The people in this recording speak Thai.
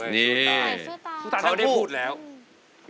มีตั้งแต่แรกแล้วค่ะ